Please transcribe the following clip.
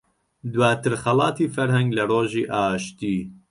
دواتر خەڵاتی فەرهەنگ لە ڕۆژی ئاشتی